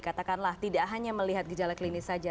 katakanlah tidak hanya melihat gejala klinis saja